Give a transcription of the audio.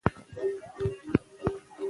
موږ باید په خپل کلتور ویاړ وکړو.